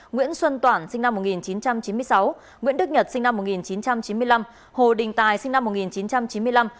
nguyễn xuân toản sinh năm một nghìn chín trăm chín mươi sáu nguyễn đức nhật sinh năm một nghìn chín trăm chín mươi năm hồ đình tài sinh năm một nghìn chín trăm chín mươi năm